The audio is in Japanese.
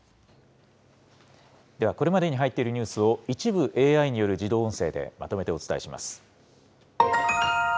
ではこれまでに入っているニュースを、一部ＡＩによる自動音声でまとめてお伝えします。